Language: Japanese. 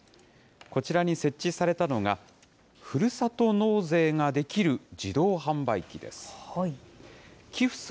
こちらに設置されたのが、ふるさと納税ができる自動販売機です。